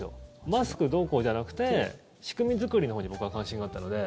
マスクどうこうじゃなくて仕組み作りのほうに僕は関心があったので。